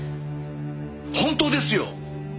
本当ですよ！